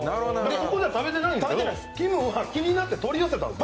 そこでは食べてないんですが、きむが気になって取り寄せたんです。